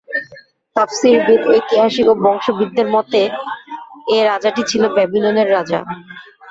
তাফসীরবিদ, ঐতিহাসিক ও বংশবিদদের মতে, এ রাজাটি ছিল ব্যাবিলনের রাজা।